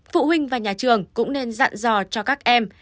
phụ huynh và nhà trường cũng nên dặn dò cho các em